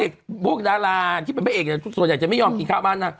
เด็กพวกดาราที่เป็นแปดเอกส่วนใหญ่จะไม่ยอมกินข้าวบ้าน